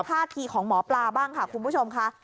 ท่าทีของหมอปลาบ้างค่ะคุณผู้ชมค่ะ